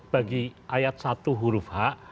bagi ayat satu huruf h